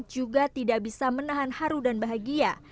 juga tidak bisa menahan haru dan bahagia